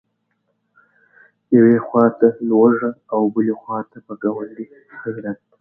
یوې خواته لوږه او بلې خواته په ګاونډي غیرت.